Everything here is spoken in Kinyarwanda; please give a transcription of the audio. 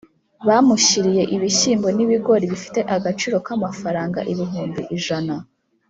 Bamushyiriye ibishyimbo n’ ibigori bifite agaciro k’ amafaranga ibihumbi ijana